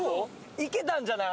いけたんじゃない？